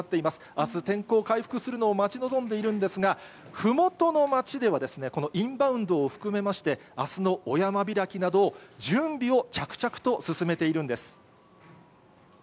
あす天候回復するのを待ち望んでいるんですが、ふもとの町ではですね、このインバウンドを含めまして、あすのお山開きなど、準備を着々と進めているんです。